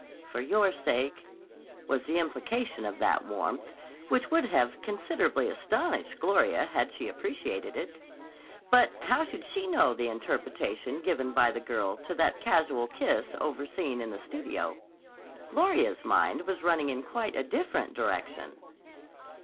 "For your sake" was the implication of that warmth, which would have considerably astonished Gloria had she appreciated it. But how should she know the interpretation given by the girl to that casual kiss overseen in the studio? Gloria's mind was running in quite a different direction.